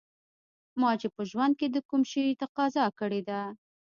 ما چې په ژوند کې د کوم شي تقاضا کړې ده